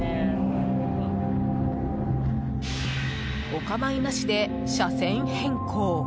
おかまいなしで車線変更。